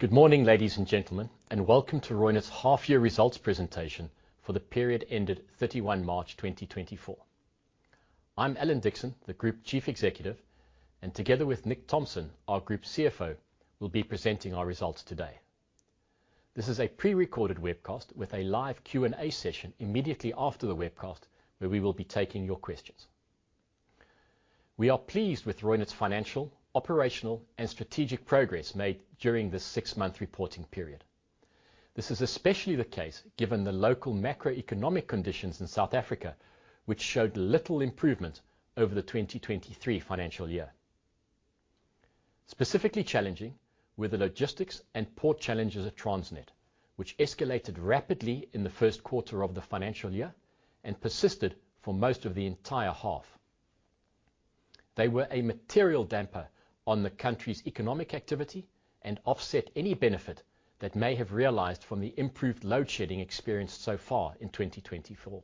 Good morning, ladies and gentlemen, and welcome to Reunert's Half-Year Results Presentation for the period ended 31 March 2024. I'm Alan Dickson, the Group Chief Executive, and together with Nick Thomson, our Group CFO, we'll be presenting our results today. This is a pre-recorded webcast with a live Q&A session immediately after the webcast, where we will be taking your questions. We are pleased with Reunert's financial, operational, and strategic progress made during this six-month reporting period. This is especially the case given the local macroeconomic conditions in South Africa, which showed little improvement over the 2023 financial year. Specifically challenging were the logistics and port challenges at Transnet, which escalated rapidly in the first quarter of the financial year and persisted for most of the entire half. They were a material damper on the country's economic activity and offset any benefit that may have realized from the improved load shedding experienced so far in 2024.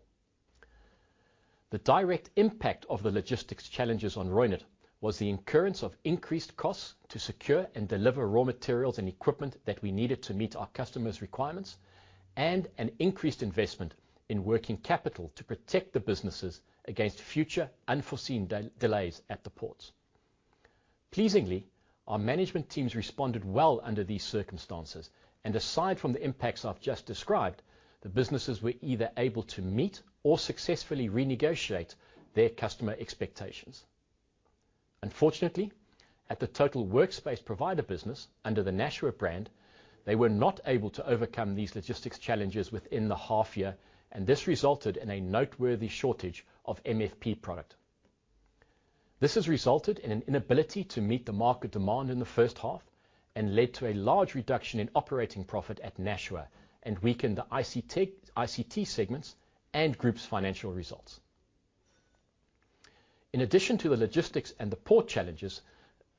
The direct impact of the logistics challenges on Reunert was the incurrence of increased costs to secure and deliver raw materials and equipment that we needed to meet our customers' requirements, and an increased investment in working capital to protect the businesses against future unforeseen delays at the ports. Pleasingly, our management teams responded well under these circumstances, and aside from the impacts I've just described, the businesses were either able to meet or successfully renegotiate their customer expectations. Unfortunately, at the total workspace provider business under the Nashua brand, they were not able to overcome these logistics challenges within the half year, and this resulted in a noteworthy shortage of MFP product. This has resulted in an inability to meet the market demand in the first half and led to a large reduction in operating profit at Nashua and weakened the ICT, ICT segments and group's financial results. In addition to the logistics and the port challenges,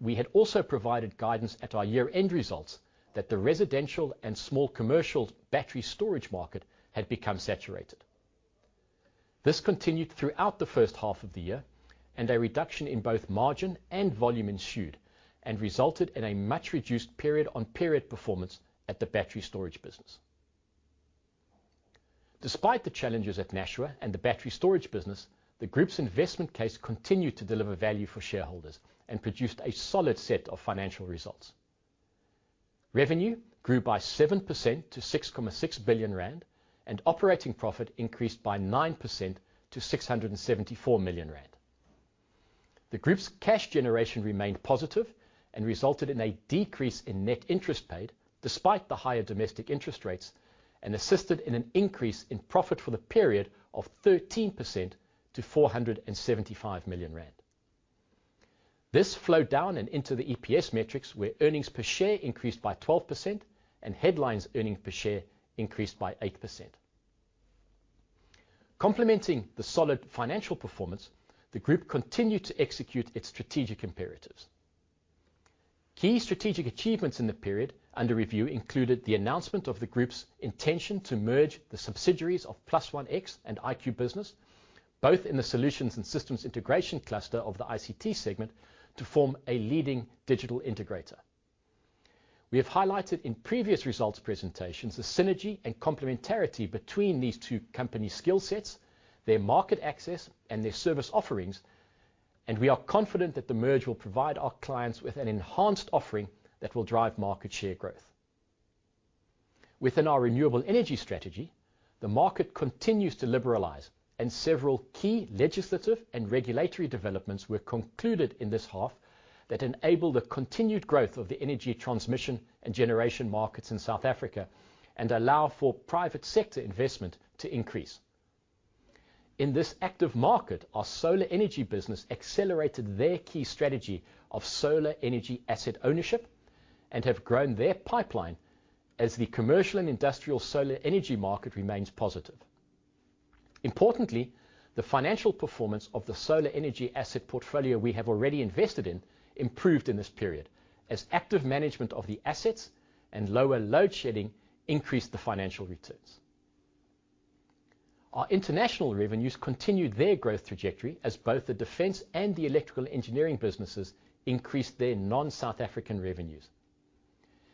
we had also provided guidance at our year-end results that the residential and small commercial battery storage market had become saturated. This continued throughout the first half of the year, and a reduction in both margin and volume ensued, and resulted in a much reduced period on period performance at the battery storage business. Despite the challenges at Nashua and the battery storage business, the group's investment case continued to deliver value for shareholders and produced a solid set of financial results. Revenue grew by 7% to 6.6 billion rand, and operating profit increased by 9% to 674 million rand. The group's cash generation remained positive and resulted in a decrease in net interest paid despite the higher domestic interest rates, and assisted in an increase in profit for the period of 13% to 475 million rand. This flowed down and into the EPS metrics, where earnings per share increased by 12% and headline earnings per share increased by 8%. Complementing the solid financial performance, the group continued to execute its strategic imperatives. Key strategic achievements in the period under review included the announcement of the group's intention to merge the subsidiaries of +OneX and IQbusiness, both in the Solutions and Systems Integration cluster of the ICT segment, to form a leading digital integrator. We have highlighted in previous results presentations, the synergy and complementarity between these two company skill sets, their market access and their service offerings, and we are confident that the merger will provide our clients with an enhanced offering that will drive market share growth. Within our renewable energy strategy, the market continues to liberalize, and several key legislative and regulatory developments were concluded in this half that enable the continued growth of the energy transmission and generation markets in South Africa and allow for private sector investment to increase. In this active market, our solar energy business accelerated their key strategy of solar energy asset ownership and have grown their pipeline as the commercial and industrial solar energy market remains positive. Importantly, the financial performance of the solar energy asset portfolio we have already invested in improved in this period, as active management of the assets and lower load shedding increased the financial returns. Our international revenues continued their growth trajectory as both the defense and the electrical engineering businesses increased their non-South African revenues.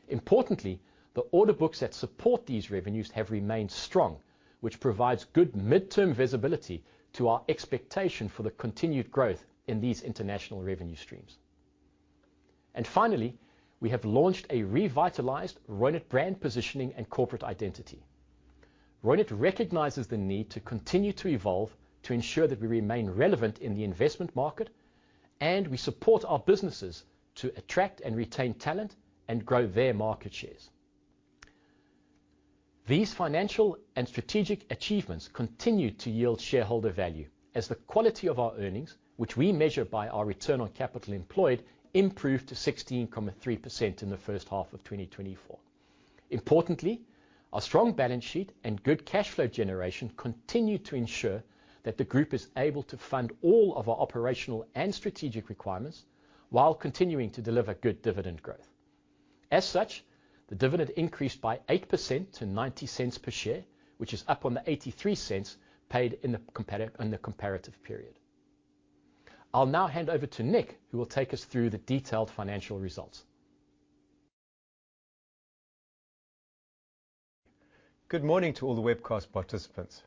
Importantly, the order books that support these revenues have remained strong, which provides good midterm visibility to our expectation for the continued growth in these international revenue streams. And finally, we have launched a revitalized Reunert brand positioning and corporate identity. Reunert recognizes the need to continue to evolve, to ensure that we remain relevant in the investment market, and we support our businesses to attract and retain talent and grow their market shares. These financial and strategic achievements continue to yield shareholder value, as the quality of our earnings, which we measure by our return on capital employed, improved to 16.3% in the first half of 2024. Importantly, our strong balance sheet and good cash flow generation continue to ensure that the group is able to fund all of our operational and strategic requirements while continuing to deliver good dividend growth. As such, the dividend increased by 8% to 0.90 per share, which is up on the 0.83 paid in the comparative, in the comparative period.... I'll now hand over to Nick, who will take us through the detailed financial results. Good morning to all the webcast participants.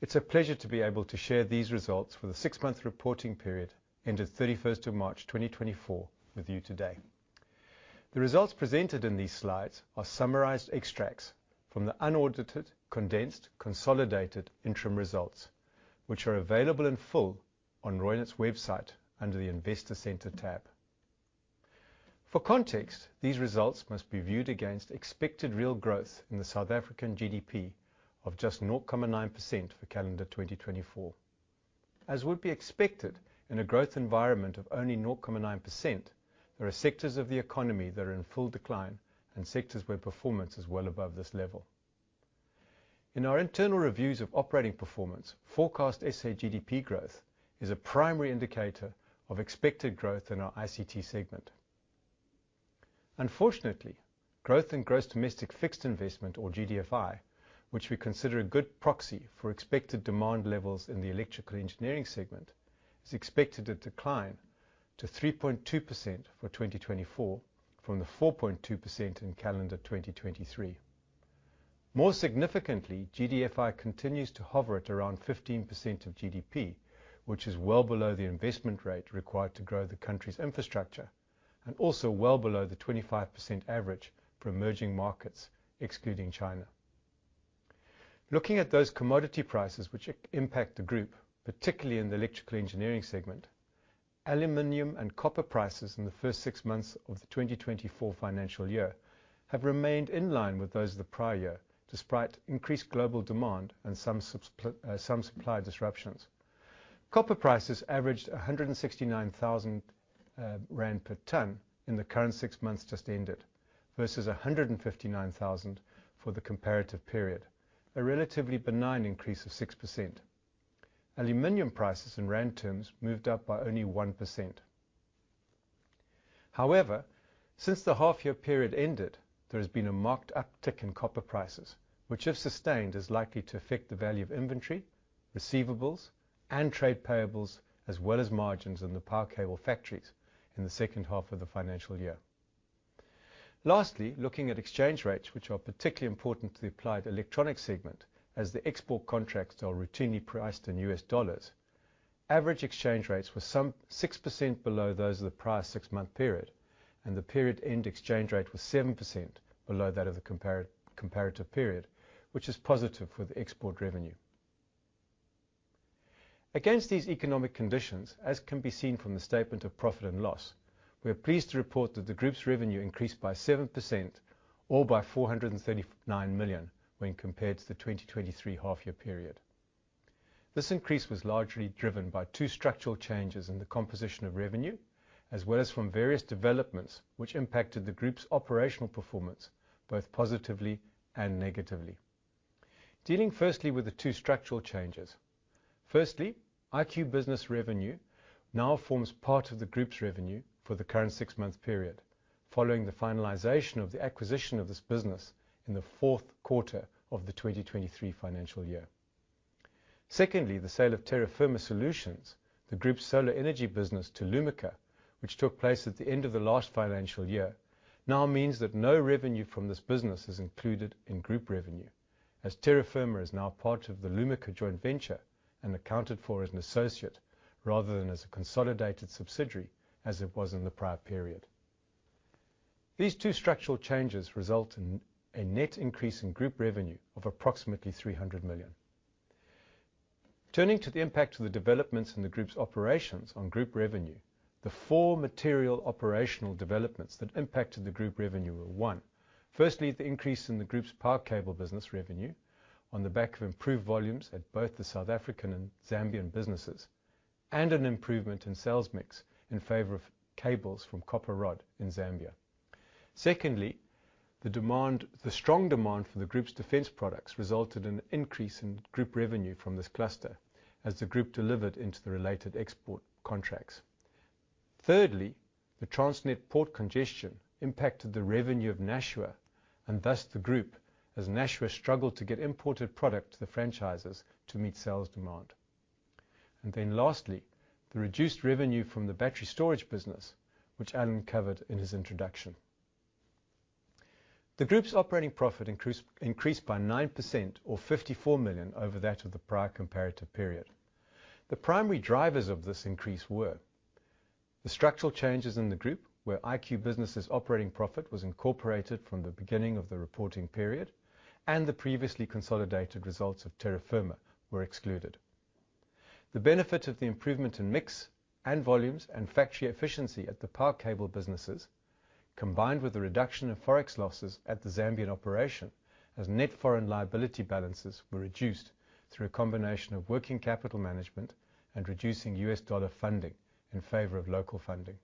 It's a pleasure to be able to share these results for the six-month reporting period, ended thirty-first of March 2024, with you today. The results presented in these slides are summarized extracts from the unaudited, condensed, consolidated interim results, which are available in full on Reunert's website under the Investor Center tab. For context, these results must be viewed against expected real growth in the South African GDP of just 0.9% for calendar 2024. As would be expected in a growth environment of only 0.9%, there are sectors of the economy that are in full decline and sectors where performance is well above this level. In our internal reviews of operating performance, forecast SA GDP growth is a primary indicator of expected growth in our ICT segment. Unfortunately, growth in gross domestic fixed investment, or GDFI, which we consider a good proxy for expected demand levels in the electrical engineering segment, is expected to decline to 3.2% for 2024, from the 4.2% in calendar 2023. More significantly, GDFI continues to hover at around 15% of GDP, which is well below the investment rate required to grow the country's infrastructure and also well below the 25% average for emerging markets, excluding China. Looking at those commodity prices which impact the group, particularly in the electrical engineering segment, aluminium and copper prices in the first six months of the 2024 financial year have remained in line with those of the prior year, despite increased global demand and some supply disruptions. Copper prices averaged 169,000 rand per ton in the current six months just ended, versus 159,000 for the comparative period, a relatively benign increase of 6%. Aluminum prices in rand terms moved up by only 1%. However, since the half-year period ended, there has been a marked uptick in copper prices, which, if sustained, is likely to affect the value of inventory, receivables, and trade payables, as well as margins in the power cable factories in the second half of the financial year. Lastly, looking at exchange rates, which are particularly important to the applied electronic segment, as the export contracts are routinely priced in U.S. dollars, average exchange rates were 6% below those of the prior six-month period, and the period-end exchange rate was 7% below that of the comparative period, which is positive for the export revenue. Against these economic conditions, as can be seen from the statement of profit and loss, we are pleased to report that the group's revenue increased by 7% or by 439 million when compared to the 2023 half-year period. This increase was largely driven by two structural changes in the composition of revenue, as well as from various developments, which impacted the group's operational performance, both positively and negatively. Dealing firstly with the two structural changes. Firstly, IQbusiness revenue now forms part of the group's revenue for the current six-month period, following the finalization of the acquisition of this business in the fourth quarter of the 2023 financial year. Secondly, the sale of Terra Firma Solutions, the group's solar energy business, to Lumika, which took place at the end of the last financial year, now means that no revenue from this business is included in group revenue, as Terra Firma is now part of the Lumika joint venture and accounted for as an associate rather than as a consolidated subsidiary, as it was in the prior period. These two structural changes result in a net increase in group revenue of approximately 300 million. Turning to the impact of the developments in the group's operations on group revenue, the four material operational developments that impacted the group revenue were, one, firstly, the increase in the group's power cable business revenue on the back of improved volumes at both the South African and Zambian businesses, and an improvement in sales mix in favor of cables from copper rod in Zambia. Secondly, the demand, the strong demand for the group's defense products resulted in an increase in group revenue from this cluster as the group delivered into the related export contracts. Thirdly, the Transnet port congestion impacted the revenue of Nashua and thus the group, as Nashua struggled to get imported product to the franchises to meet sales demand. And then lastly, the reduced revenue from the battery storage business, which Alan covered in his introduction. The group's operating profit increased by 9% or 54 million over that of the prior comparative period. The primary drivers of this increase were: the structural changes in the group, where IQbusiness's operating profit was incorporated from the beginning of the reporting period, and the previously consolidated results of Terra Firma were excluded. The benefit of the improvement in mix and volumes and factory efficiency at the power cable businesses, combined with the reduction in Forex losses at the Zambian operation, as net foreign liability balances were reduced through a combination of working capital management and reducing U.S. dollar funding in favor of local funding.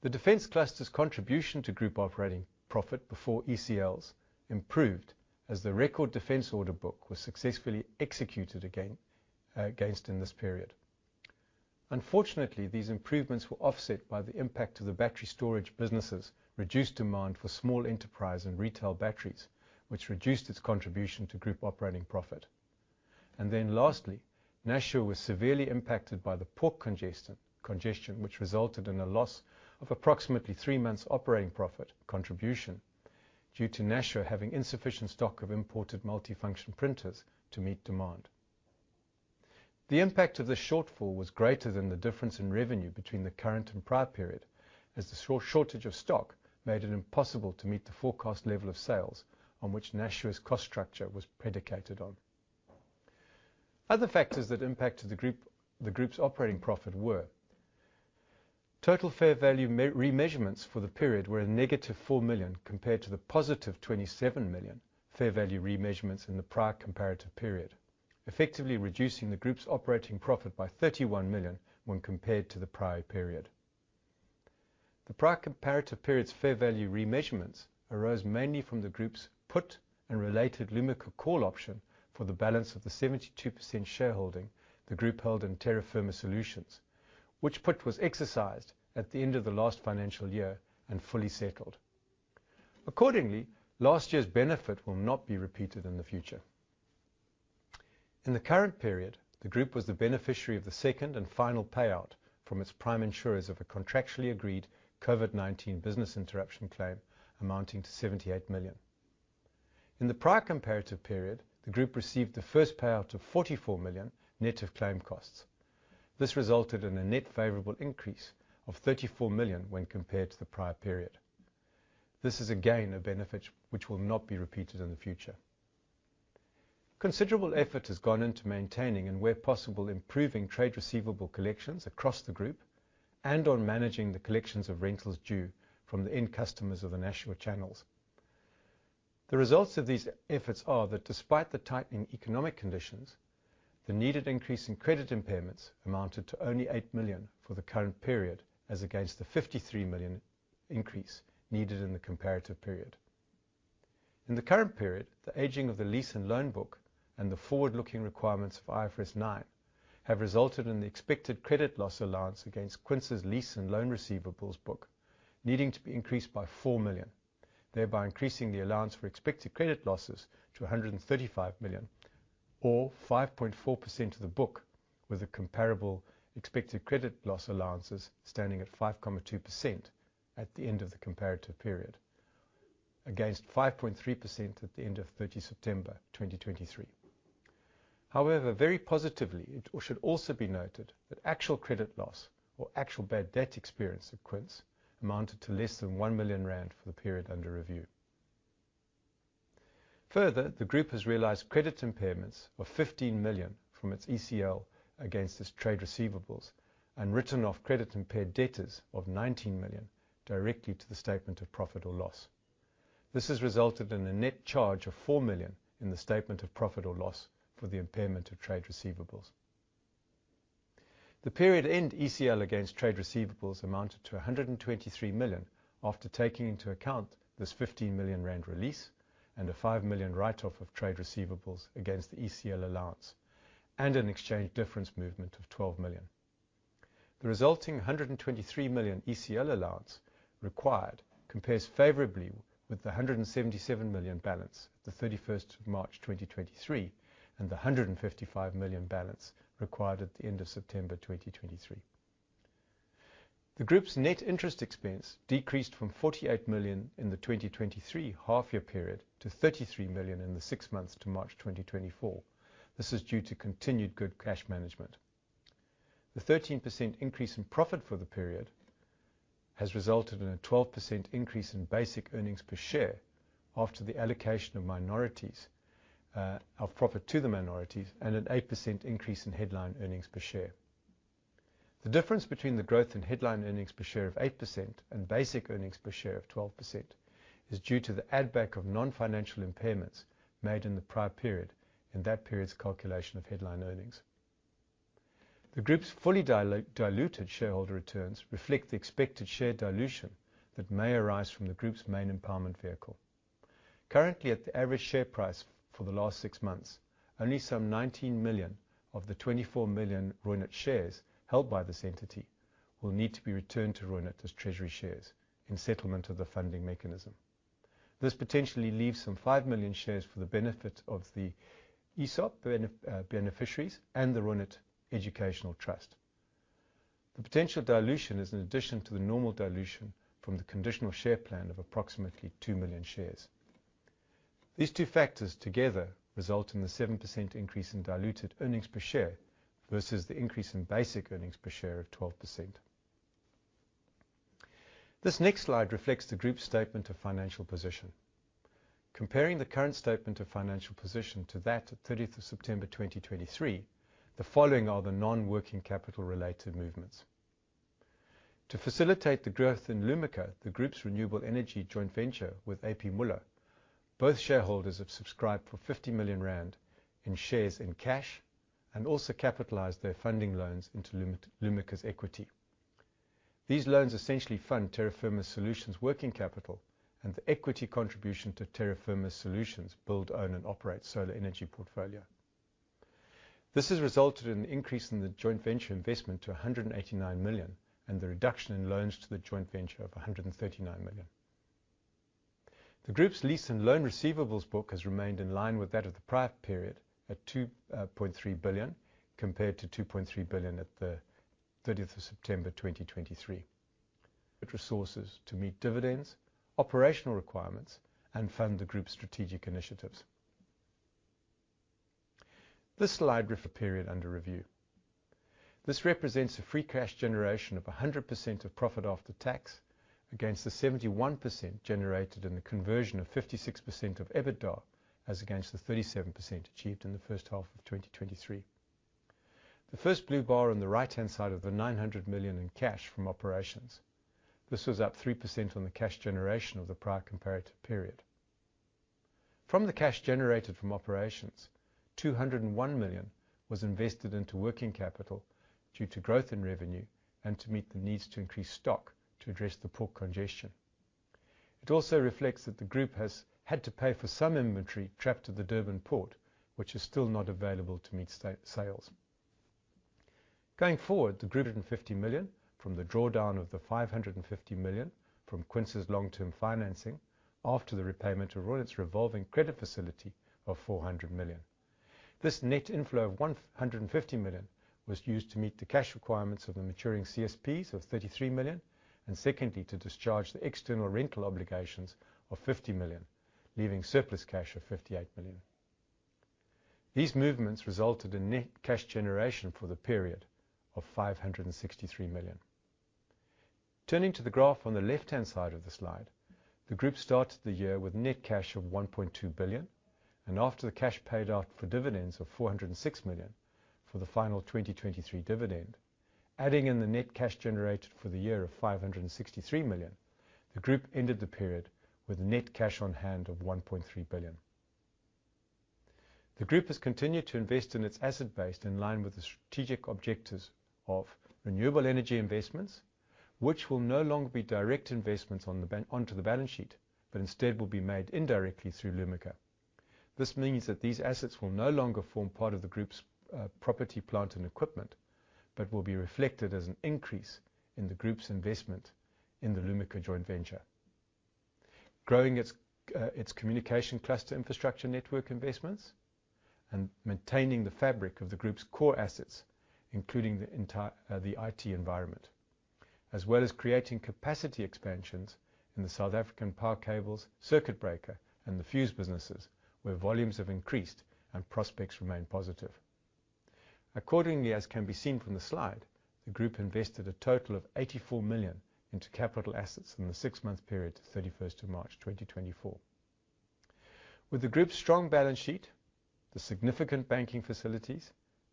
The defense cluster's contribution to group operating profit before ECLs improved as the record defense order book was successfully executed again against in this period. Unfortunately, these improvements were offset by the impact of the battery storage businesses, reduced demand for small enterprise and retail batteries, which reduced its contribution to group operating profit. And then lastly, Nashua was severely impacted by the port congestion, which resulted in a loss of approximately three months' operating profit contribution, due to Nashua having insufficient stock of imported multifunction printers to meet demand. The impact of this shortfall was greater than the difference in revenue between the current and prior period, as the shortage of stock made it impossible to meet the forecast level of sales on which Nashua's cost structure was predicated on. Other factors that impacted the group, the group's operating profit were: total fair value remeasurements for the period were -4 million, compared to the +27 million fair value remeasurements in the prior comparative period, effectively reducing the group's operating profit by 31 million when compared to the prior period. The prior comparative period's fair value remeasurements arose mainly from the group's put and related Lumika call option for the balance of the 72% shareholding the group held in Terra Firma Solutions, which put was exercised at the end of the last financial year and fully settled. Accordingly, last year's benefit will not be repeated in the future. In the current period, the group was the beneficiary of the second and final payout from its prime insurers of a contractually agreed COVID-19 business interruption claim amounting to 78 million. In the prior comparative period, the group received the first payout of 44 million, net of claim costs. This resulted in a net favorable increase of 34 million when compared to the prior period. This is again, a benefit which will not be repeated in the future. Considerable effort has gone into maintaining and, where possible, improving trade receivable collections across the group, and on managing the collections of rentals due from the end customers of the Nashua channels. The results of these efforts are that despite the tightening economic conditions, the needed increase in credit impairments amounted to only 8 million for the current period, as against the 53 million increase needed in the comparative period. In the current period, the aging of the lease and loan book, and the forward-looking requirements of IFRS 9 have resulted in the expected credit loss allowance against Quince's lease and loan receivables book, needing to be increased by 4 million, thereby increasing the allowance for expected credit losses to 135 million or 5.4% of the book, with the comparable expected credit loss allowances standing at 5.2% at the end of the comparative period, against 5.3% at the end of 30 September 2023. However, very positively, it should also be noted that actual credit loss or actual bad debt experience of Quince amounted to less than 1 million rand for the period under review. Further, the group has realized credit impairments of 15 million from its ECL against its trade receivables and written off credit-impaired debtors of 19 million directly to the statement of profit or loss. This has resulted in a net charge of 4 million in the statement of profit or loss for the impairment of trade receivables. The period end ECL against trade receivables amounted to 123 million, after taking into account this 15 million rand release and a 5 million write-off of trade receivables against the ECL allowance and an exchange difference movement of 12 million. The resulting 123 million ECL allowance required compares favorably with the 177 million balance, 31 March 2023, and the 155 million balance required at the end of September 2023. The group's net interest expense decreased from 48 million in the 2023 half-year period to 33 million in the six months to March 2024. This is due to continued good cash management. The 13% increase in profit for the period has resulted in a 12% increase in basic earnings per share after the allocation of minorities, of profit to the minorities, and an 8% increase in headline earnings per share. The difference between the growth in headline earnings per share of 8% and basic earnings per share of 12% is due to the add-back of non-financial impairments made in the prior period, in that period's calculation of headline earnings. The group's fully diluted shareholder returns reflect the expected share dilution that may arise from the group's main empowerment vehicle. Currently, at the average share price for the last six months, only some 19 million of the 24 million Reunert shares held by this entity will need to be returned to Reunert as treasury shares in settlement of the funding mechanism. This potentially leaves some 5 million shares for the benefit of the ESOP beneficiaries and the Reunert Educational Trust. The potential dilution is in addition to the normal dilution from the conditional share plan of approximately 2 million shares. These two factors together result in the 7% increase in diluted earnings per share versus the increase in basic earnings per share of 12%. This next slide reflects the group's statement of financial position. Comparing the current statement of financial position to that of thirtieth of September 2023, the following are the non-working capital related movements. To facilitate the growth in Lumika, the group's renewable energy joint venture with A.P. Moller Capital, both shareholders have subscribed for 50 million rand in shares in cash and also capitalized their funding loans into Lumika's equity. These loans essentially fund Terra Firma Solutions' working capital and the equity contribution to Terra Firma Solutions build, own and operate solar energy portfolio. This has resulted in an increase in the joint venture investment to 189 million, and the reduction in loans to the joint venture of 139 million. The group's lease and loan receivables book has remained in line with that of the prior period, at 2.3 billion, compared to 2.3 billion at the thirtieth of September, 2023. It resources to meet dividends, operational requirements, and fund the group's strategic initiatives. This slide with the period under review. This represents a free cash generation of 100% of profit after tax, against the 71% generated, and the conversion of 56% of EBITDA, as against the 37% achieved in the first half of 2023. The first blue bar on the right-hand side of the 900 million in cash from operations. This was up 3% on the cash generation of the prior comparative period. From the cash generated from operations, 201 million was invested into working capital due to growth in revenue and to meet the needs to increase stock to address the port congestion. It also reflects that the group has had to pay for some inventory trapped at the Durban port, which is still not available to meet sales. Going forward, the group and 50 million from the drawdown of the 550 million from Quince's long-term financing after the repayment of all its revolving credit facility of 400 million. This net inflow of 150 million was used to meet the cash requirements of the maturing CSPs of 33 million, and secondly, to discharge the external rental obligations of 50 million, leaving surplus cash of 58 million. These movements resulted in net cash generation for the period of 563 million. Turning to the graph on the left-hand side of the slide, the group started the year with net cash of 1.2 billion, and after the cash paid out for dividends of 406 million for the final 2023 dividend, adding in the net cash generated for the year of 563 million, the group ended the period with net cash on hand of 1.3 billion. The group has continued to invest in its asset base in line with the strategic objectives of renewable energy investments, which will no longer be direct investments onto the balance sheet, but instead will be made indirectly through Lumika. This means that these assets will no longer form part of the group's property, plant, and equipment, but will be reflected as an increase in the group's investment in the Lumika joint venture. Growing its communication cluster infrastructure network investments, and maintaining the fabric of the group's core assets, including the entire the IT environment, as well as creating capacity expansions in the South African power cables, circuit breaker, and the fuse businesses, where volumes have increased and prospects remain positive. Accordingly, as can be seen from the slide, the group invested a total of 84 million into capital assets in the six-month period to 31st of March 2024. With the group's strong balance sheet, the significant banking facilities,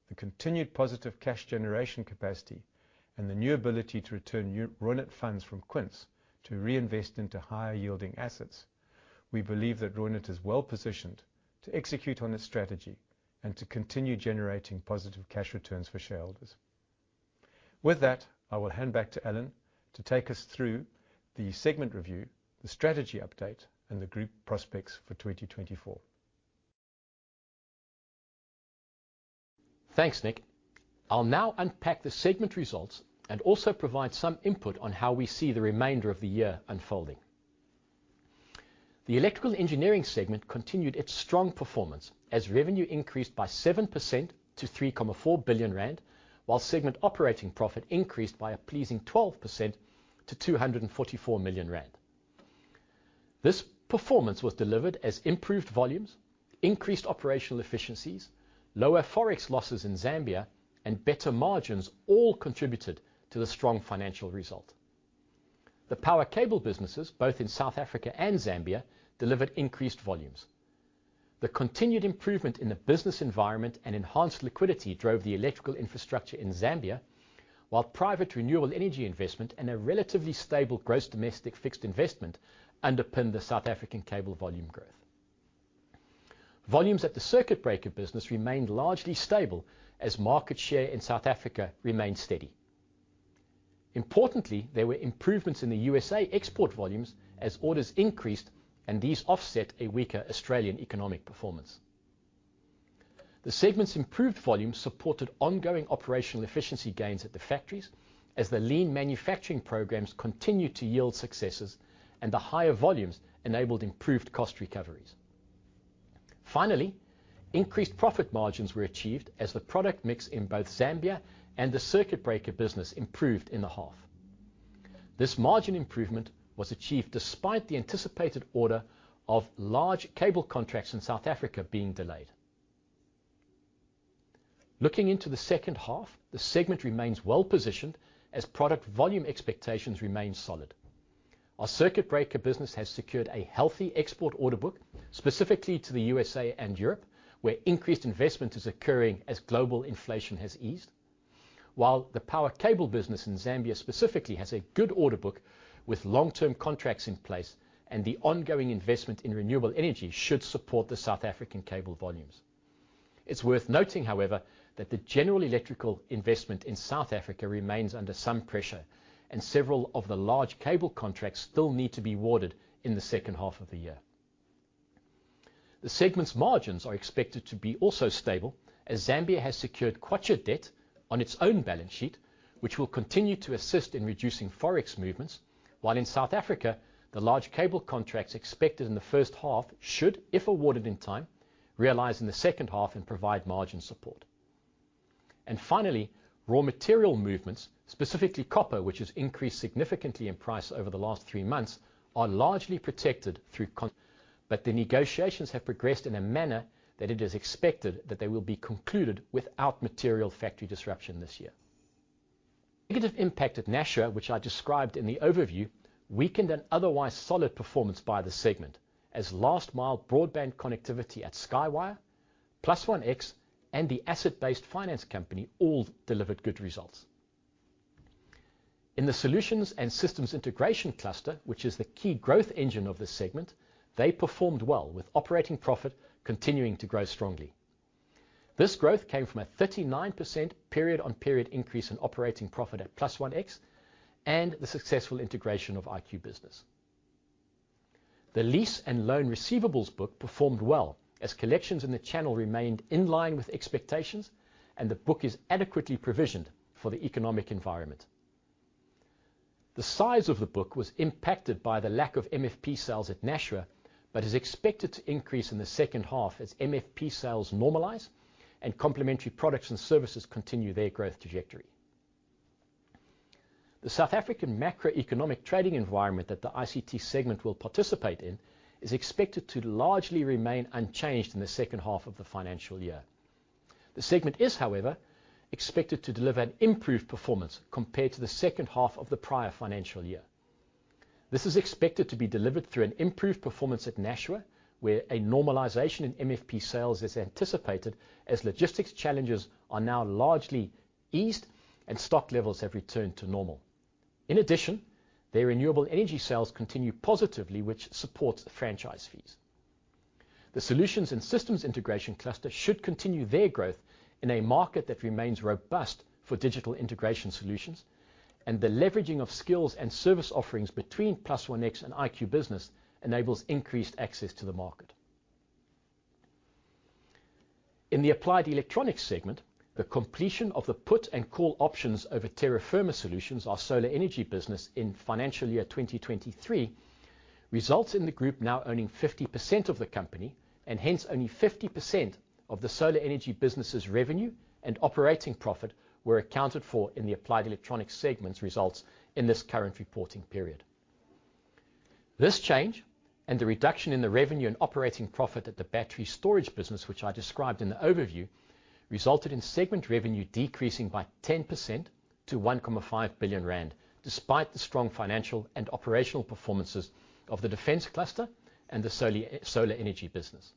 the continued positive cash generation capacity, and the new ability to return new Reunert funds from Quince to reinvest into higher-yielding assets, we believe that Reunert is well positioned to execute on its strategy and to continue generating positive cash returns for shareholders. With that, I will hand back to Alan to take us through the segment review, the strategy update, and the group prospects for 2024. Thanks, Nick. I'll now unpack the segment results and also provide some input on how we see the remainder of the year unfolding. The electrical engineering segment continued its strong performance, as revenue increased by 7% to 3.4 billion rand, while segment operating profit increased by a pleasing 12% to 244 million rand. This performance was delivered as improved volumes, increased operational efficiencies, lower Forex losses in Zambia, and better margins all contributed to the strong financial result. The power cable businesses, both in South Africa and Zambia, delivered increased volumes. The continued improvement in the business environment and enhanced liquidity drove the electrical infrastructure in Zambia, while private renewable energy investment and a relatively stable gross domestic fixed investment underpinned the South African cable volume growth. Volumes at the circuit breaker business remained largely stable as market share in South Africa remained steady. Importantly, there were improvements in the USA export volumes as orders increased, and these offset a weaker Australian economic performance. The segment's improved volumes supported ongoing operational efficiency gains at the factories, as the lean manufacturing programs continued to yield successes, and the higher volumes enabled improved cost recoveries. Finally, increased profit margins were achieved as the product mix in both Zambia and the circuit breaker business improved in the half. This margin improvement was achieved despite the anticipated order of large cable contracts in South Africa being delayed. Looking into the second half, the segment remains well-positioned, as product volume expectations remain solid. Our circuit breaker business has secured a healthy export order book, specifically to the USA and Europe, where increased investment is occurring as global inflation has eased. While the power cable business in Zambia specifically has a good order book with long-term contracts in place, and the ongoing investment in renewable energy should support the South African cable volumes, it's worth noting, however, that the general electrical investment in South Africa remains under some pressure, and several of the large cable contracts still need to be awarded in the second half of the year... The segment's margins are expected to be also stable, as Zambia has secured kwacha debt on its own balance sheet, which will continue to assist in reducing Forex movements, while in South Africa, the large cable contracts expected in the first half should, if awarded in time, realize in the second half and provide margin support. Finally, raw material movements, specifically copper, which has increased significantly in price over the last three months, are largely protected through contracts. But the negotiations have progressed in a manner that it is expected that they will be concluded without material factory disruption this year. Negative impact at Nashua, which I described in the overview, weakened an otherwise solid performance by the segment, as last mile broadband connectivity at Skywire, +OneX, and the asset-based finance company all delivered good results. In the solutions and systems integration cluster, which is the key growth engine of this segment, they performed well, with operating profit continuing to grow strongly. This growth came from a 39% period-on-period increase in operating profit at +OneX and the successful integration of IQbusiness. The lease and loan receivables book performed well, as collections in the channel remained in line with expectations, and the book is adequately provisioned for the economic environment. The size of the book was impacted by the lack of MFP sales at Nashua, but is expected to increase in the second half as MFP sales normalize and complementary products and services continue their growth trajectory. The South African macroeconomic trading environment that the ICT segment will participate in is expected to largely remain unchanged in the second half of the financial year. The segment is, however, expected to deliver an improved performance compared to the second half of the prior financial year. This is expected to be delivered through an improved performance at Nashua, where a normalization in MFP sales is anticipated, as logistics challenges are now largely eased and stock levels have returned to normal. In addition, their renewable energy sales continue positively, which supports the franchise fees. The solutions and systems integration cluster should continue their growth in a market that remains robust for digital integration solutions, and the leveraging of skills and service offerings between +OneX and IQbusiness enables increased access to the market. In the applied electronics segment, the completion of the put and call options over Terra Firma Solutions, our solar energy business in financial year 2023, results in the group now owning 50% of the company, and hence only 50% of the solar energy business's revenue and operating profit were accounted for in the applied electronics segment's results in this current reporting period. This change, and the reduction in the revenue and operating profit at the battery storage business, which I described in the overview, resulted in segment revenue decreasing by 10% to 1.5 billion rand, despite the strong financial and operational performances of the defense cluster and the solar energy business.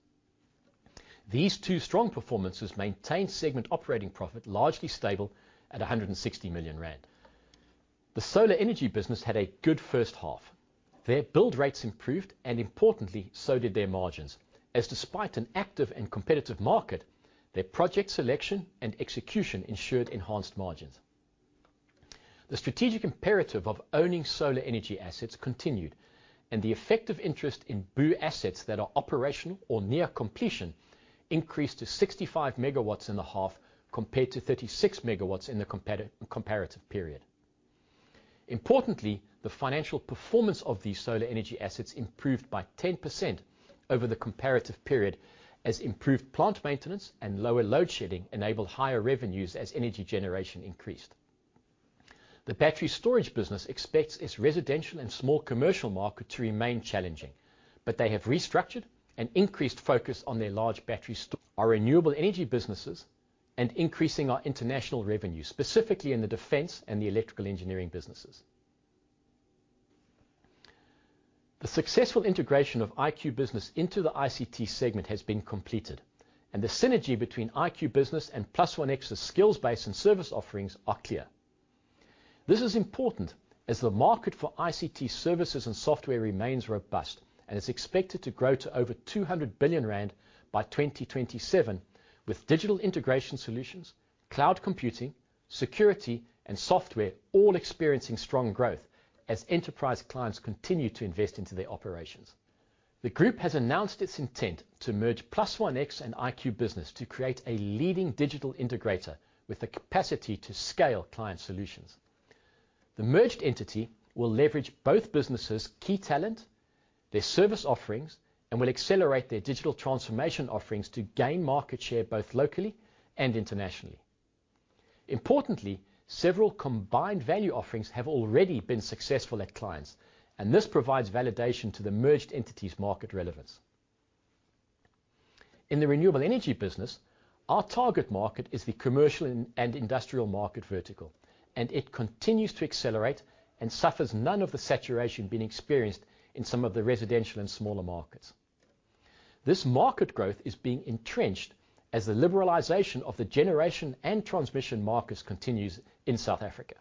These two strong performances maintained segment operating profit, largely stable at 160 million rand. The solar energy business had a good first half. Their build rates improved, and importantly, so did their margins, as despite an active and competitive market, their project selection and execution ensured enhanced margins. The strategic imperative of owning solar energy assets continued, and the effective interest in BOO assets that are operational or near completion increased to 65 MW in the half, compared to 36 MW in the comparative period. Importantly, the financial performance of these solar energy assets improved by 10% over the comparative period, as improved plant maintenance and lower load shedding enabled higher revenues as energy generation increased. The battery storage business expects its residential and small commercial market to remain challenging, but they have restructured and increased focus on their large battery sto... Our renewable energy businesses and increasing our international revenue, specifically in the defense and the electrical engineering businesses. The successful integration of IQbusiness into the ICT segment has been completed, and the synergy between IQbusiness and +OneX's skills base and service offerings are clear. This is important as the market for ICT services and software remains robust and is expected to grow to over 200 billion rand by 2027, with digital integration solutions, cloud computing, security, and software all experiencing strong growth as enterprise clients continue to invest into their operations. The group has announced its intent to merge +OneX and IQbusiness to create a leading digital integrator with the capacity to scale client solutions. The merged entity will leverage both businesses' key talent, their service offerings, and will accelerate their digital transformation offerings to gain market share, both locally and internationally. Importantly, several combined value offerings have already been successful at clients, and this provides validation to the merged entity's market relevance. In the renewable energy business, our target market is the commercial and industrial market vertical, and it continues to accelerate and suffers none of the saturation being experienced in some of the residential and smaller markets. This market growth is being entrenched as the liberalization of the generation and transmission markets continues in South Africa.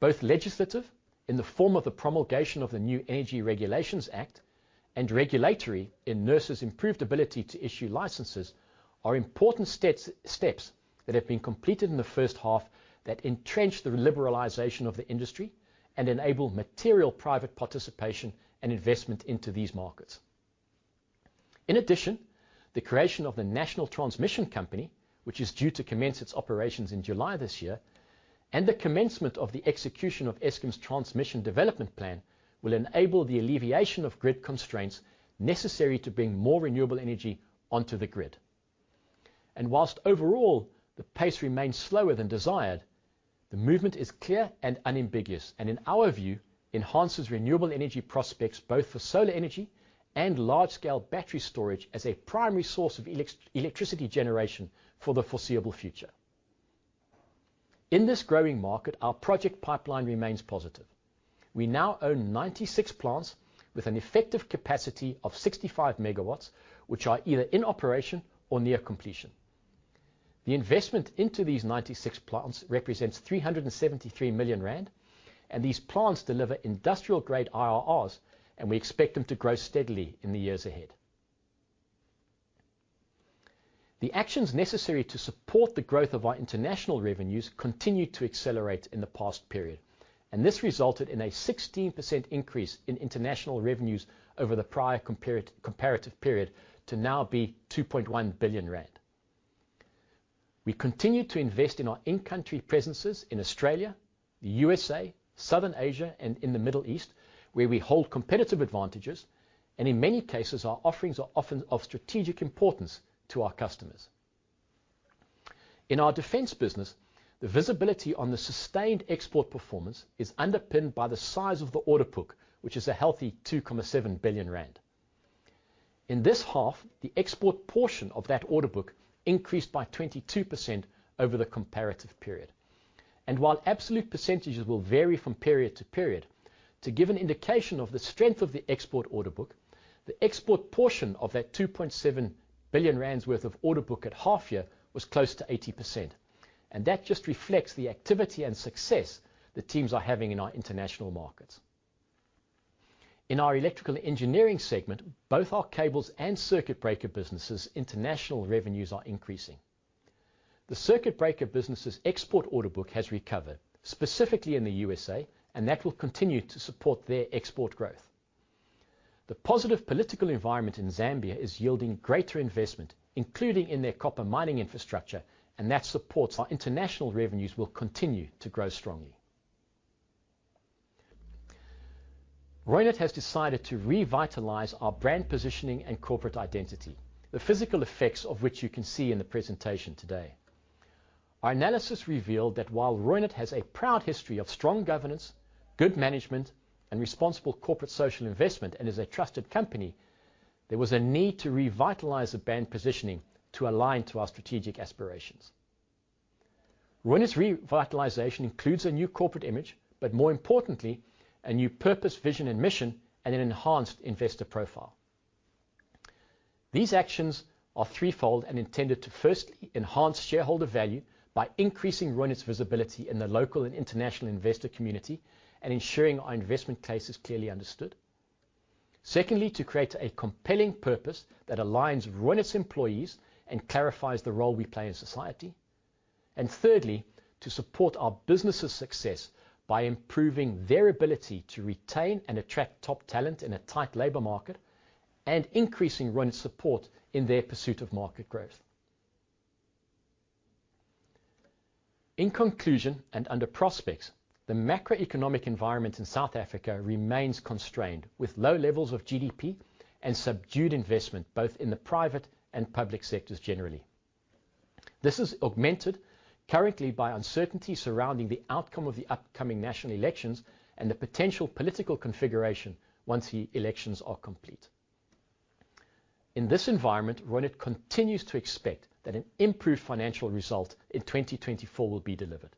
Both legislative, in the form of the promulgation of the new Energy Regulation Act, and regulatory, in NERSA's improved ability to issue licenses, are important steps that have been completed in the first half that entrench the liberalization of the industry and enable material private participation and investment into these markets. In addition, the creation of the National Transmission Company South Africa, which is due to commence its operations in July this year, and the commencement of the execution of Eskom's Transmission Development Plan, will enable the alleviation of grid constraints necessary to bring more renewable energy onto the grid. While overall, the pace remains slower than desired, the movement is clear and unambiguous, and in our view, enhances renewable energy prospects, both for solar energy and large-scale battery storage, as a primary source of electricity generation for the foreseeable future. In this growing market, our project pipeline remains positive. We now own 96 plants with an effective capacity of 65 MW, which are either in operation or near completion. The investment into these 96 plants represents 373 million rand, and these plants deliver industrial-grade IRRs, and we expect them to grow steadily in the years ahead. The actions necessary to support the growth of our international revenues continued to accelerate in the past period, and this resulted in a 16% increase in international revenues over the prior comparative period, to now be 2.1 billion rand. We continue to invest in our in-country presences in Australia, the USA, Southern Asia, and in the Middle East, where we hold competitive advantages, and in many cases, our offerings are often of strategic importance to our customers. In our defense business, the visibility on the sustained export performance is underpinned by the size of the order book, which is a healthy 2.7 billion rand. In this half, the export portion of that order book increased by 22% over the comparative period. While absolute percentages will vary from period to period, to give an indication of the strength of the export order book, the export portion of that 2.7 billion rand worth of order book at half year was close to 80%, and that just reflects the activity and success the teams are having in our international markets. In our electrical engineering segment, both our cables and circuit breaker businesses' international revenues are increasing. The circuit breaker business's export order book has recovered, specifically in the USA, and that will continue to support their export growth. The positive political environment in Zambia is yielding greater investment, including in their copper mining infrastructure, and that supports our international revenues will continue to grow strongly. Reunert has decided to revitalize our brand positioning and corporate identity, the physical effects of which you can see in the presentation today. Our analysis revealed that while Reunert has a proud history of strong governance, good management, and responsible corporate social investment, and is a trusted company, there was a need to revitalize the brand positioning to align to our strategic aspirations. Reunert's revitalization includes a new corporate image, but more importantly, a new purpose, vision, and mission, and an enhanced investor profile. These actions are threefold and intended to, firstly, enhance shareholder value by increasing Reunert's visibility in the local and international investor community and ensuring our investment case is clearly understood. Secondly, to create a compelling purpose that aligns Reunert's employees and clarifies the role we play in society. And thirdly, to support our businesses' success by improving their ability to retain and attract top talent in a tight labor market, and increasing Reunert's support in their pursuit of market growth. In conclusion, and under prospects, the macroeconomic environment in South Africa remains constrained, with low levels of GDP and subdued investment, both in the private and public sectors generally. This is augmented currently by uncertainty surrounding the outcome of the upcoming national elections and the potential political configuration once the elections are complete. In this environment, Reunert continues to expect that an improved financial result in 2024 will be delivered.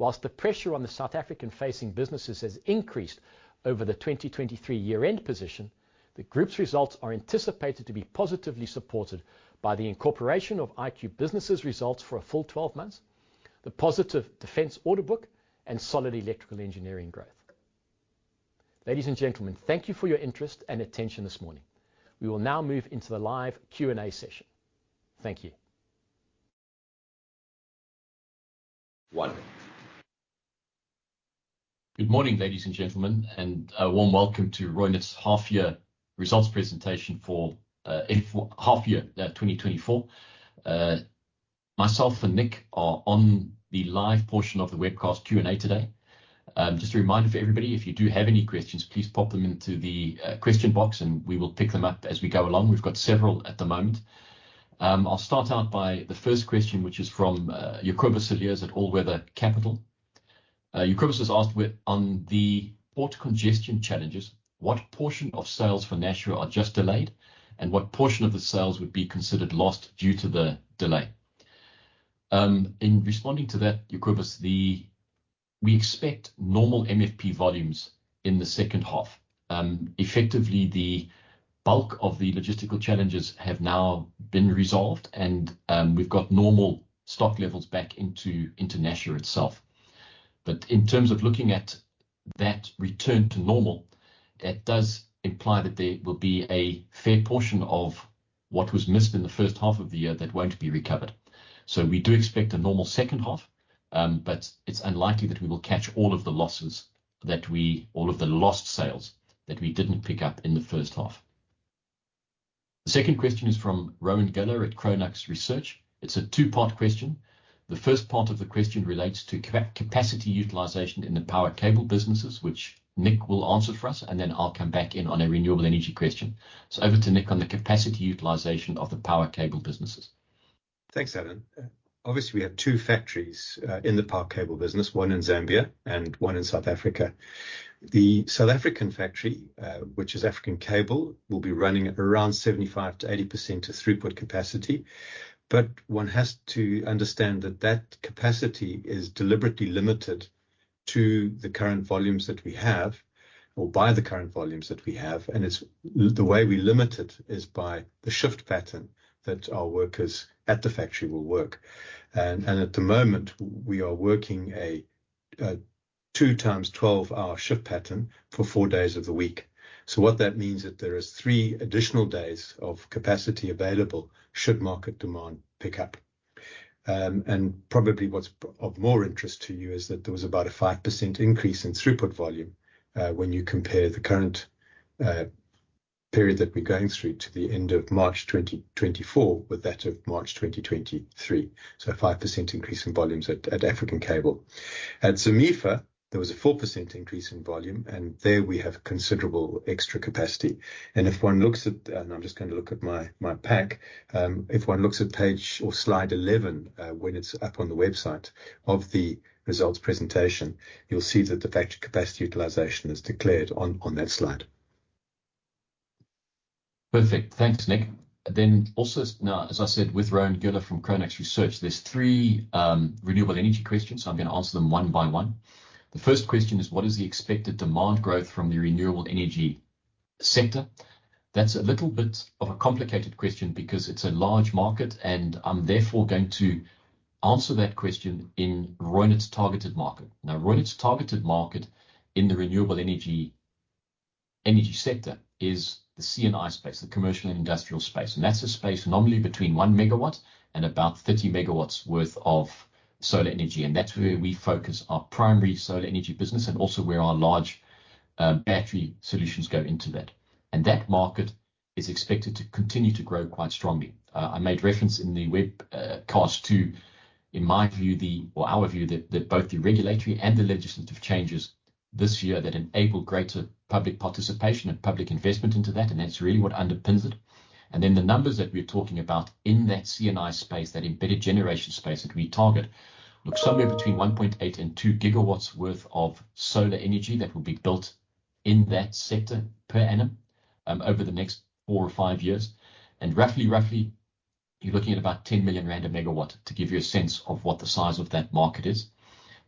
While the pressure on the South African-facing businesses has increased over the 2023 year-end position, the group's results are anticipated to be positively supported by the incorporation of IQbusiness's results for a full 12 months, the positive defense order book, and solid electrical engineering growth. Ladies and gentlemen, thank you for your interest and attention this morning. We will now move into the live Q&A session. Thank you. Wonderful. Good morning, ladies and gentlemen, and a warm welcome to Reunert's half year results presentation for half year 2024. Myself and Nick are on the live portion of the webcast Q&A today. Just a reminder for everybody, if you do have any questions, please pop them into the question box, and we will pick them up as we go along. We've got several at the moment. I'll start out by the first question, which is from Jacobus Cilliers at All Weather Capital. Jacobus has asked we're on the port congestion challenges, what portion of sales for Nashua are just delayed, and what portion of the sales would be considered lost due to the delay? In responding to that, Jacobus, we expect normal MFP volumes in the second half. Effectively, the bulk of the logistical challenges have now been resolved, and we've got normal stock levels back into Nashua itself. But in terms of looking at that return to normal, that does imply that there will be a fair portion of what was missed in the first half of the year that won't be recovered. So we do expect a normal second half, but it's unlikely that we will catch all of the losses, all of the lost sales that we didn't pick up in the first half. The second question is from Rowan Goeller at Chronux Research. It's a two-part question. The first part of the question relates to capacity utilization in the power cable businesses, which Nick will answer for us, and then I'll come back in on a renewable energy question. So over to Nick on the capacity utilization of the power cable businesses. Thanks, Alan. Obviously, we have two factories in the power cable business, one in Zambia and one in South Africa. The South African factory, which is African Cables, will be running at around 75%-80% of throughput capacity. But one has to understand that that capacity is deliberately limited to the current volumes that we have, or by the current volumes that we have, and it's... The way we limit it is by the shift pattern that our workers at the factory will work. And at the moment, we are working a 2 times 12-hour shift pattern for 4 days of the week. So what that means is that there is 3 additional days of capacity available, should market demand pick up. And probably what's of more interest to you is that there was about a 5% increase in throughput volume, when you compare the current period that we're going through to the end of March 2024 with that of March 2023. So a 5% increase in volumes at African Cables. At ZAMEFA, there was a 4% increase in volume, and there we have considerable extra capacity. And I'm just going to look at my pack. If one looks at page or slide 11, when it's up on the website of the results presentation, you'll see that the factory capacity utilization is declared on that slide. Perfect. Thanks, Nick. Then also, now, as I said, with Rowan Goeller from Chronux Research, there's three renewable energy questions. So I'm gonna answer them one by one. The first question is: what is the expected demand growth from the renewable energy sector? That's a little bit of a complicated question because it's a large market, and I'm therefore going to answer that question in Reunert's targeted market. Now, Reunert's targeted market in the renewable energy, energy sector is the C&I space, the commercial and industrial space, and that's a space normally between 1 MW and about 30 MW worth of solar energy, and that's where we focus our primary solar energy business and also where our large battery solutions go into that. And that market is expected to continue to grow quite strongly. I made reference in the webcast to, in my view, the... or our view, that, that both the regulatory and the legislative changes this year that enable greater public participation and public investment into that, and that's really what underpins it. And then the numbers that we're talking about in that C&I space, that embedded generation space that we target, looks somewhere between 1.8-2 gigawatts worth of solar energy that will be built in that sector per annum, over the next four or five years. And roughly, roughly, you're looking at about 10 million rand a megawatt, to give you a sense of what the size of that market is.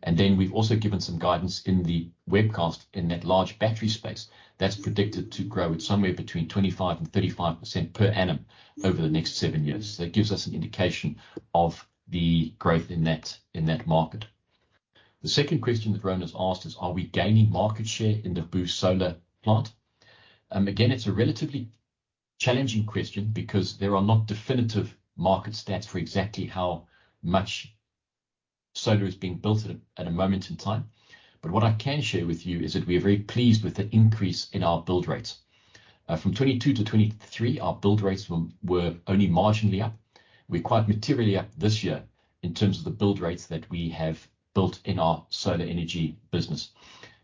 And then we've also given some guidance in the webcast in that large battery space that's predicted to grow at somewhere between 25%-35% per annum over the next seven years. So that gives us an indication of the growth in that, in that market. The second question that Rowan has asked is: Are we gaining market share in the BOOs solar plant? Again, it's a relatively challenging question because there are not definitive market stats for exactly how much solar is being built at a, at a moment in time. But what I can share with you is that we are very pleased with the increase in our build rates. From 2022 to 2023, our build rates were only marginally up. We're quite materially up this year in terms of the build rates that we have built in our solar energy business.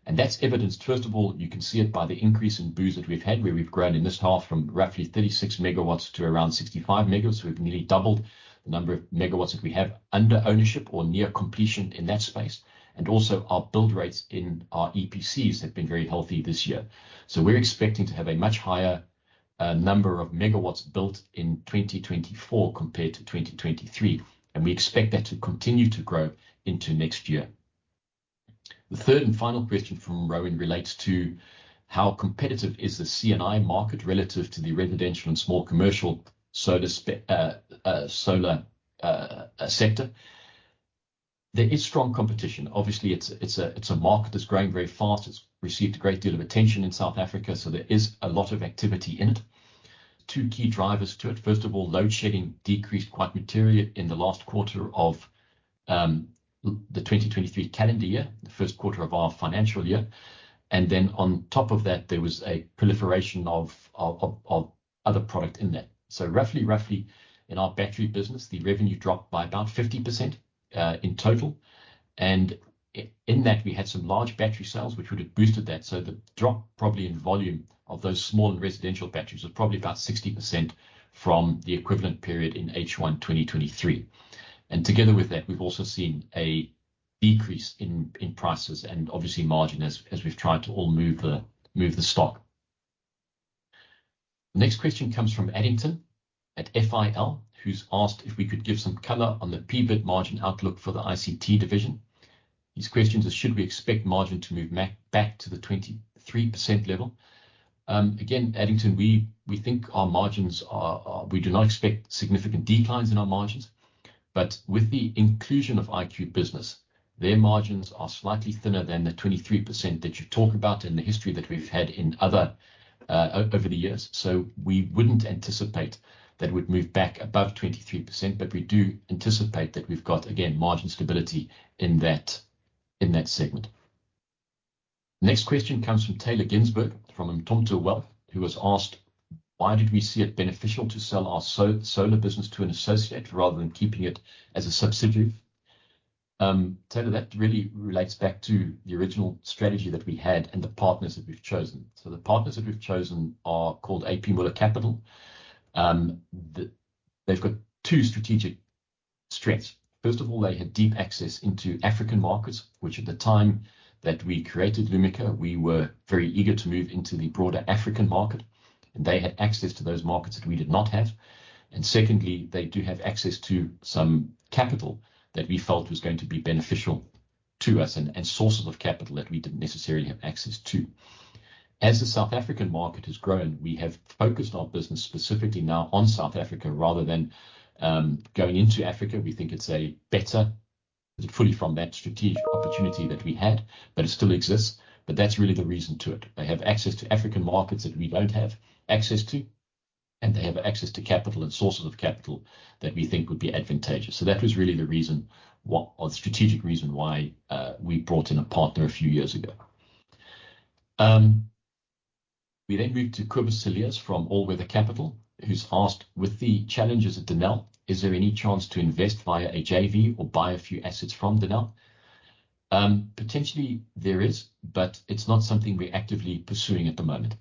And that's evidenced, first of all, you can see it by the increase in BOOs that we've had, where we've grown in this half from roughly 36 MW to around 65 MW. We've nearly doubled the number of MW that we have under ownership or near completion in that space, and also our build rates in our EPCs have been very healthy this year. So we're expecting to have a much higher number of MW built in 2024 compared to 2023, and we expect that to continue to grow into next year. The third and final question from Rowan relates to: How competitive is the C&I market relative to the residential and small commercial solar sector? There is strong competition. Obviously, it's a market that's growing very fast. It's received a great deal of attention in South Africa, so there is a lot of activity in it. Two key drivers to it. First of all, Load Shedding decreased quite materially in the last quarter of the 2023 calendar year, the first quarter of our financial year, and then on top of that, there was a proliferation of other product in that. So roughly in our battery business, the revenue dropped by about 50% in total, and in that, we had some large battery sales, which would have boosted that. So the drop, probably in volume of those small and residential batteries, was probably about 60% from the equivalent period in H1 2023. And together with that, we've also seen a decrease in prices and obviously margin as we've tried to all move the stock. The next question comes from Addington at FIL, who's asked if we could give some color on the EBIT margin outlook for the ICT division. His question is: Should we expect margin to move back to the 23% level? Again, Addington, we think our margins are. We do not expect significant declines in our margins, but with the inclusion of IQbusiness, their margins are slightly thinner than the 23% that you talk about in the history that we've had in other, over the years. So we wouldn't anticipate that we'd move back above 23%, but we do anticipate that we've got, again, margin stability in that segment. Next question comes from Tayla Ginsburg, from Mtontha Wealth, who has asked: Why did we see it beneficial to sell our solar business to an associate rather than keeping it as a subsidiary? Thaila, that really relates back to the original strategy that we had and the partners that we've chosen. So the partners that we've chosen are called A.P. Moller Capital. They've got two strategic strengths. First of all, they had deep access into African markets, which at the time that we created Lumika, we were very eager to move into the broader African market, and they had access to those markets that we did not have. And secondly, they do have access to some capital that we felt was going to be beneficial to us, and, and sources of capital that we didn't necessarily have access to. As the South African market has grown, we have focused our business specifically now on South Africa rather than going into Africa. We think it's a better fully from that strategic opportunity that we had, but it still exists. That's really the reason to it. They have access to African markets that we don't have access to, and they have access to capital and sources of capital that we think would be advantageous. That was really the reason why we brought in a partner a few years ago. We then move to Jacobus Cilliers from All Weather Capital, who's asked: With the challenges at Denel, is there any chance to invest via a JV or buy a few assets from Denel? Potentially there is, but it's not something we're actively pursuing at the moment.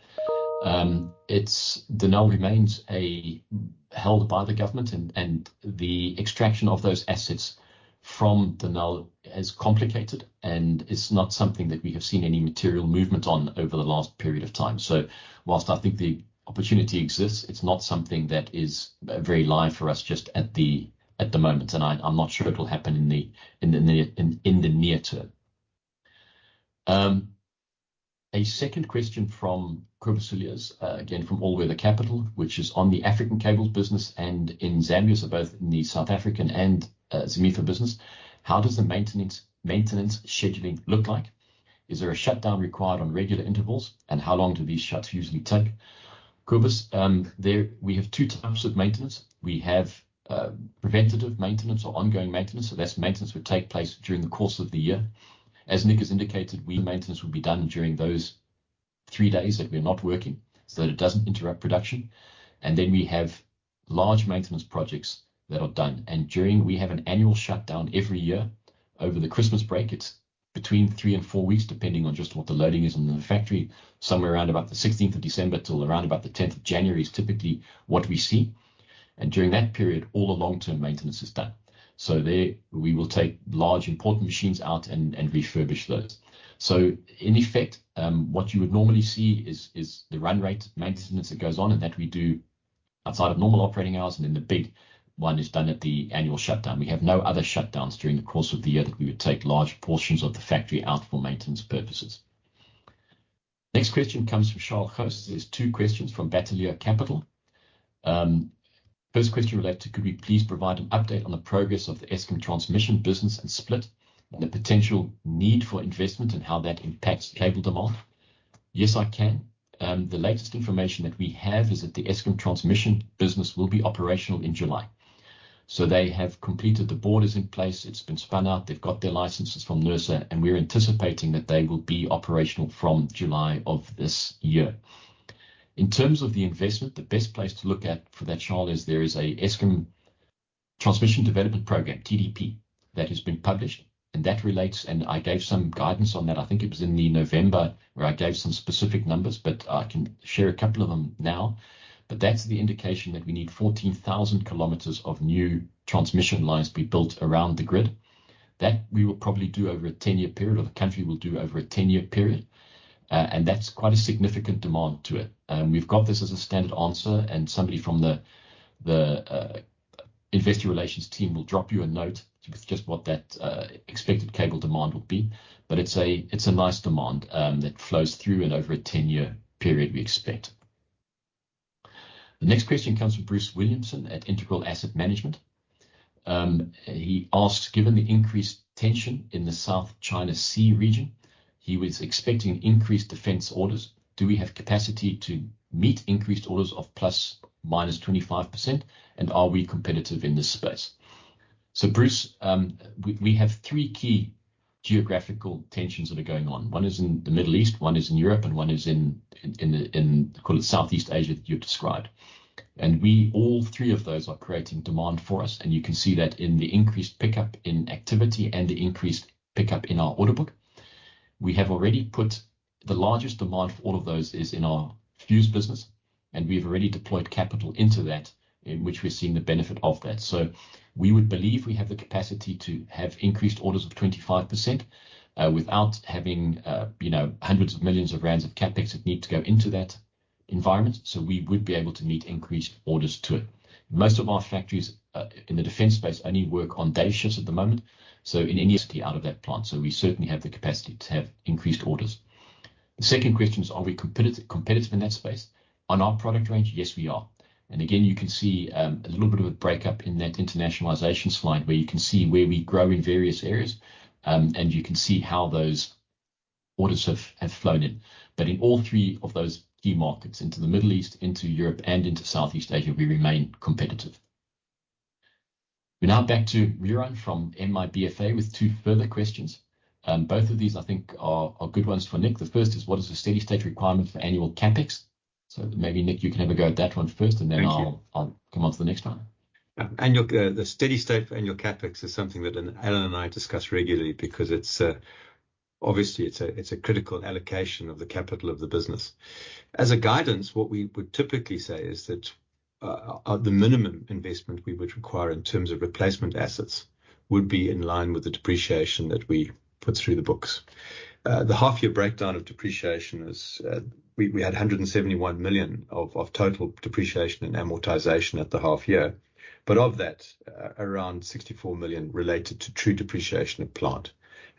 It's... Denel remains held by the government and the extraction of those assets from Denel is complicated, and it's not something that we have seen any material movement on over the last period of time. So while I think the opportunity exists, it's not something that is very live for us, just at the moment, and I'm not sure it will happen in the near term. A second question from Kobus Cilliers, again, from All Weather Capital, which is on the African Cables business and in Zambia, so both in the South African and Zambia business: How does the maintenance scheduling look like? Is there a shutdown required on regular intervals, and how long do these shuts usually take? Kobus, there we have two types of maintenance. We have preventative maintenance or ongoing maintenance. So that maintenance would take place during the course of the year. As Nick has indicated, maintenance will be done during those three days that we're not working, so that it doesn't interrupt production. And then we have large maintenance projects that are done. And we have an annual shutdown every year over the Christmas break. It's between three and four weeks, depending on just what the loading is in the factory. Somewhere around about the sixteenth of December till around about the tenth of January is typically what we see, and during that period, all the long-term maintenance is done. So there we will take large important machines out and refurbish those. So in effect, what you would normally see is, is the run rate maintenance that goes on, and that we do outside of normal operating hours, and then the big one is done at the annual shutdown. We have no other shutdowns during the course of the year that we would take large portions of the factory out for maintenance purposes. Next question comes from Charles Hotz. There's two questions from Bateleur Capital. First question relates to: Could we please provide an update on the progress of the Eskom transmission business and split, and the potential need for investment and how that impacts cable demand? Yes, I can. The latest information that we have is that the Eskom transmission business will be operational in July. So they have completed, the board is in place, it's been spun out, they've got their licenses from NERSA, and we're anticipating that they will be operational from July of this year. In terms of the investment, the best place to look at for that, Charles, is there is an Eskom Transmission Development Programme, TDP, that has been published, and that relates... and I gave some guidance on that. I think it was in the November, where I gave some specific numbers, but I can share a couple of them now. But that's the indication that we need 14,000 kilometers of new transmission lines be built around the grid. That we will probably do over a 10-year period, or the country will do over a 10-year period, and that's quite a significant demand to it. We've got this as a standard answer, and somebody from the investor relations team will drop you a note with just what that expected cable demand will be. But it's a nice demand that flows through and over a 10-year period, we expect. The next question comes from Bruce Williamson at Integral Asset Management. He asked, given the increased tension in the South China Sea region, he was expecting increased defense orders. Do we have capacity to meet increased orders of ±25%, and are we competitive in this space? So, Bruce, we have three key geographical tensions that are going on. One is in the Middle East, one is in Europe, and one is in, call it Southeast Asia, you described. And we all three of those are creating demand for us, and you can see that in the increased pickup in activity and the increased pickup in our order book. We have already put the largest demand for all of those is in our fuse business, and we've already deployed capital into that, in which we're seeing the benefit of that. So we would believe we have the capacity to have increased orders of 25%, without having, you know, hundreds of millions of ZAR of CapEx that need to go into that environment, so we would be able to meet increased orders to it. Most of our factories in the defense space only work on day shifts at the moment, so in any out of that plant. So we certainly have the capacity to have increased orders. The second question is, are we competitive, competitive in that space? On our product range, yes, we are. And again, you can see, a little bit of a breakup in that internationalization slide, where you can see where we grow in various areas, and you can see how those orders have flowed in. But in all three of those key markets, into the Middle East, into Europe, and into Southeast Asia, we remain competitive. We're now back to Ruan from MIBFA with two further questions. Both of these, I think are good ones for Nick. The first is: what is the steady state requirement for annual CapEx? So maybe, Nick, you can have a go at that one first, and then- Thank you. I'll come on to the next one. The steady state for annual CapEx is something that Alan and I discuss regularly because it's obviously it's a it's a critical allocation of the capital of the business. As guidance, what we would typically say is that the minimum investment we would require in terms of replacement assets would be in line with the depreciation that we put through the books. The half year breakdown of depreciation is we had 171 million of total depreciation and amortization at the half year. But of that, around 64 million related to true depreciation of plant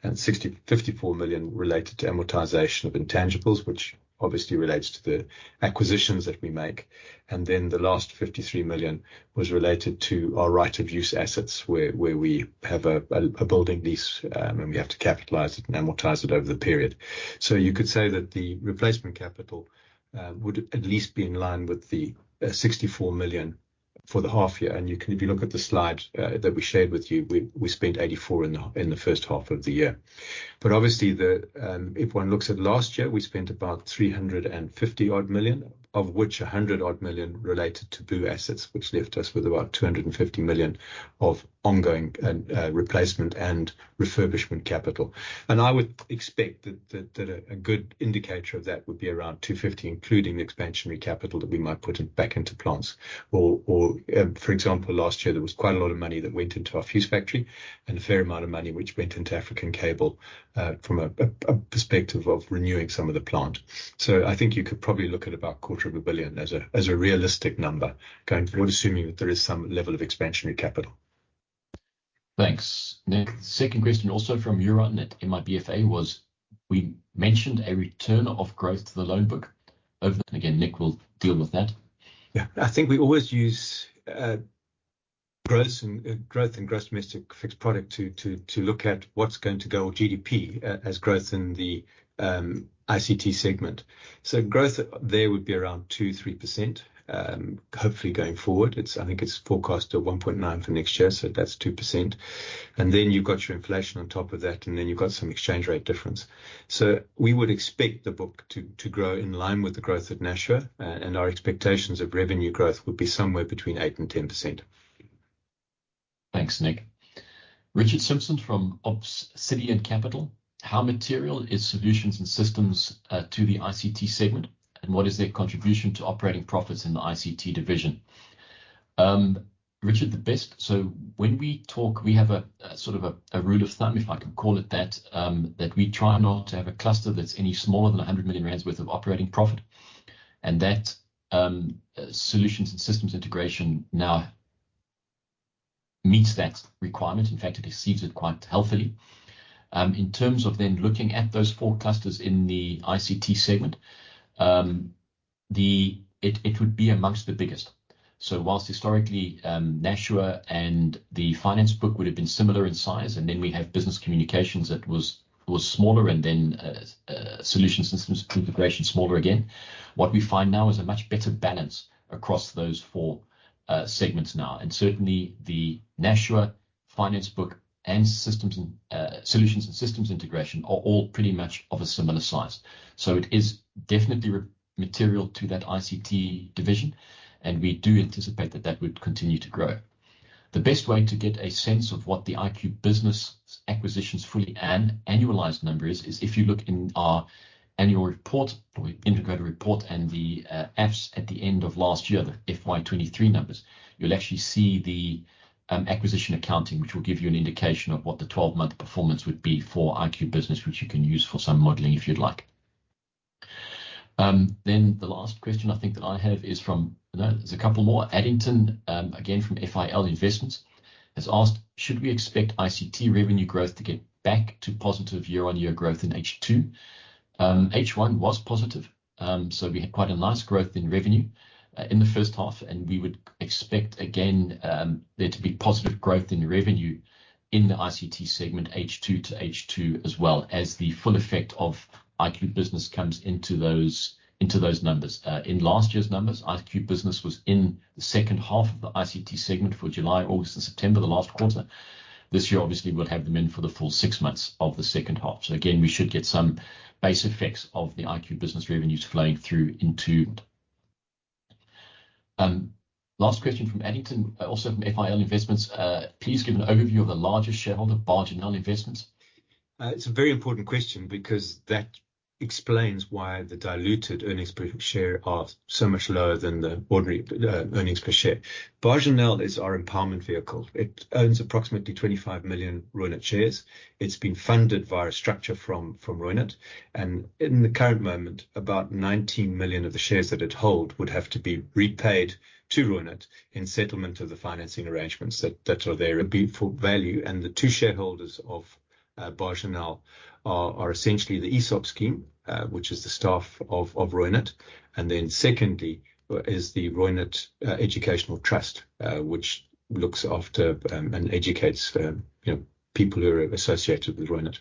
and 54 million related to amortization of intangibles, which obviously relates to the acquisitions that we make. And then the last 53 million was related to our right of use assets, where we have a building lease, and we have to capitalize it and amortize it over the period. So you could say that the replacement capital would at least be in line with the 64 million for the half year. And you can if you look at the slide that we shared with you, we spent 84 million in the first half of the year. But obviously, if one looks at last year, we spent about 350 odd million, of which 100 odd million related to BOO assets, which left us with about 250 million of ongoing and replacement and refurbishment capital. I would expect that a good indicator of that would be around 250 million, including the expansionary capital that we might put in back into plants. Or, for example, last year there was quite a lot of money that went into our fuse factory and a fair amount of money which went into African Cables from a perspective of renewing some of the plant. So I think you could probably look at about 250 million as a realistic number going forward, assuming that there is some level of expansionary capital. Thanks, Nick. Second question, also from Ruan at MIBFA, was: we mentioned a return of growth to the loan book. Over again, Nick will deal with that. Yeah. I think we always use growth and gross domestic fixed investment to look at what's going to grow, or GDP, as growth in the ICT segment. So growth there would be around 2-3%, hopefully going forward. I think it's forecast to 1.9% for next year, so that's 2%. And then you've got your inflation on top of that, and then you've got some exchange rate difference. So we would expect the book to grow in line with the growth at Nashua, and our expectations of revenue growth would be somewhere between 8%-10%. Thanks, Nick. Richard Simpson from Obsidian Capital. How material is solutions and systems to the ICT segment, and what is their contribution to operating profits in the ICT division? Richard, so when we talk, we have a sort of a rule of thumb, if I can call it that, that we try not to have a cluster that's any smaller than 100 million rand worth of operating profit. And that, solutions and systems integration now meets that requirement. In fact, it exceeds it quite healthily. In terms of then looking at those four clusters in the ICT segment, it would be among the biggest. While historically, Nashua and the finance book would have been similar in size, and then we have business communications that was smaller and then, solutions systems integration, smaller again. What we find now is a much better balance across those four segments now, and certainly the Nashua finance book and systems, solutions and systems integration are all pretty much of a similar size. So it is definitely material to that ICT division, and we do anticipate that that would continue to grow. The best way to get a sense of what the IQbusiness acquisitions fully and annualized number is, is if you look in our annual report, or integrated report, and the appendices at the end of last year, the FY 2023 numbers, you'll actually see the acquisition accounting, which will give you an indication of what the 12-month performance would be for IQbusiness, which you can use for some modeling if you'd like. Then the last question I think that I have is from... No, there's a couple more. Addington, again, from FIL Investments, has asked: Should we expect ICT revenue growth to get back to positive year-on-year growth in H2? H1 was positive, so we had quite a nice growth in revenue in the first half, and we would expect again there to be positive growth in revenue in the ICT segment, H2 to H2, as well as the full effect of IQbusiness comes into those numbers. In last year's numbers, IQbusiness was in the second half of the ICT segment for July, August, and September, the last quarter. This year, obviously, we'll have them in for the full six months of the second half. So again, we should get some base effects of the IQbusiness revenues flowing through into... Last question from Addington, also from Fidelity International (FIL): please give an overview of the largest shareholder, Bargenel Investments. It's a very important question because that explains why the diluted earnings per share are so much lower than the ordinary earnings per share. Bargenel is our empowerment vehicle. It owns approximately 25 million Reunert shares. It's been funded via a structure from Reunert, and in the current moment, about 19 million of the shares that it hold would have to be repaid to Reunert in settlement of the financing arrangements that are there. It'd be for value, and the two shareholders of Bargenel are essentially the ESOP scheme, which is the staff of Reunert. And then secondly is the Reunert Educational Trust, which looks after and educates you know people who are associated with Reunert.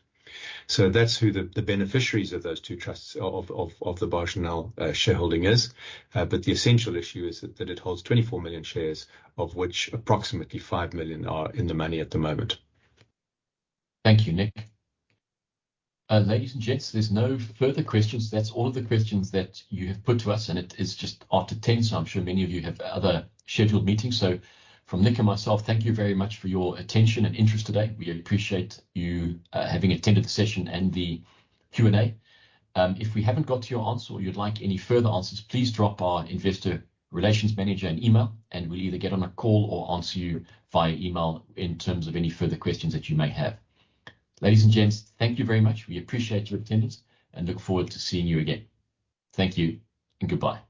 So that's who the beneficiaries of those two trusts of the Bargenel shareholding is. But the essential issue is that it holds 24 million shares, of which approximately 5 million are in the money at the moment. Thank you, Nick. Ladies and gents, there's no further questions. That's all of the questions that you have put to us, and it is just after 10, so I'm sure many of you have other scheduled meetings. So from Nick and myself, thank you very much for your attention and interest today. We appreciate you having attended the session and the Q&A. If we haven't got to your answer or you'd like any further answers, please drop our investor relations manager an email, and we'll either get on a call or answer you via email in terms of any further questions that you may have. Ladies and gents, thank you very much. We appreciate your attendance and look forward to seeing you again. Thank you and goodbye.